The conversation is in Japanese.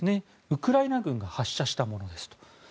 ウクライナ軍が発射したものですと。